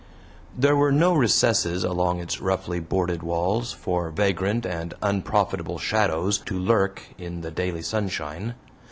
There were no recesses along its roughly boarded walls for vagrant and unprofitable shadows to lurk in the daily sunshine.